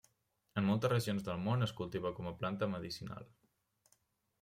En moltes regions del món es cultiva com planta medicinal.